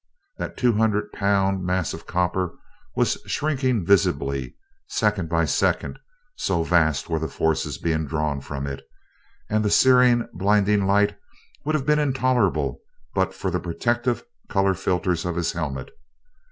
That two hundred pound mass of copper was shrinking visibly, second by second, so vast were the forces being drawn from it, and the searing, blinding light would have been intolerable but for the protective color filters of his helmet.